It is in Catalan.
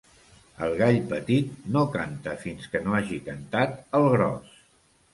El gall petit no canta fins que no hagi cantat el gros.